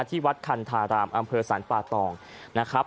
ที่วัดคันธารามอำเภอสรรป่าตองนะครับ